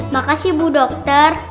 makasih bu dokter